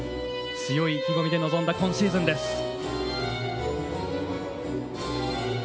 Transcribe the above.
強い意気込みで臨んだ今シーズンです。